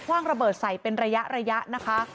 ว่างระเบิดใส่เป็นระยะนะคะ